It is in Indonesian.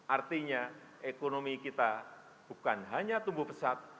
artinya ekonomi kita bukan hanya tumbuh pesat